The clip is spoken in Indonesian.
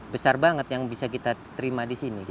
besar banget yang bisa kita terima disini